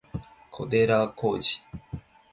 小寺浩二